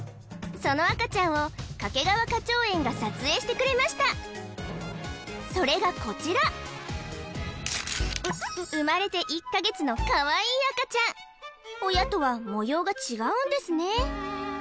その赤ちゃんを掛川花鳥園が撮影してくれましたそれがこちら生まれて１カ月のかわいい赤ちゃん親とは模様が違うんですね